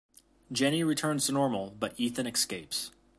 Jenny returns to normal, but Ethan escapes.